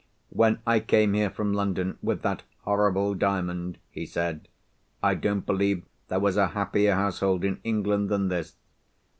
"When I came here from London with that horrible Diamond," he said, "I don't believe there was a happier household in England than this.